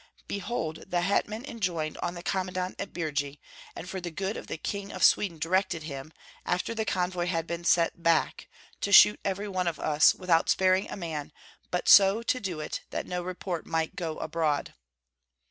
Behold the hetman enjoined on the commandant at Birji, and for the good of the King of Sweden directed him, after the convoy had been sent back, to shoot every one of us, without sparing a man, but so to do it that no report might go abroad."